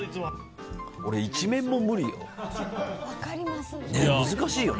俺、１面も無理よ。